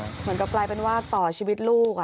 เหมือนกับกลายเป็นว่าต่อชีวิตลูก